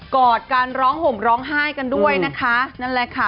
กอดกันร้องห่มร้องไห้กันด้วยนะคะ